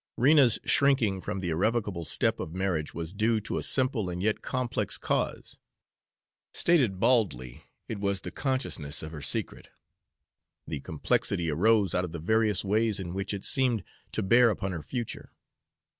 Rena's shrinking from the irrevocable step of marriage was due to a simple and yet complex cause. Stated baldly, it was the consciousness of her secret; the complexity arose out of the various ways in which it seemed to bear upon her future.